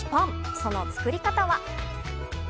その作り方は。